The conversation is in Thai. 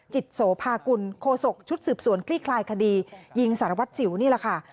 โสภากุลโคศกชุดสืบสวนคลี่คลายคดียิงสารวัตรสิวนี่แหละค่ะ